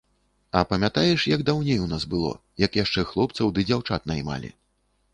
А памятаеш, як даўней у нас было, як яшчэ хлопцаў ды дзяўчат наймалi?